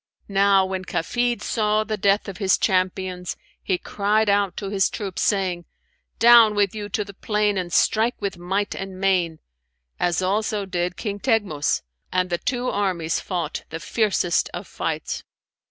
Now when Kafid saw the death of his champions, he cried out to his troops, saying, 'Down with you to the plain and strike with might and main!' as also did King Teghmus, and the two armies fought the fiercest of fights.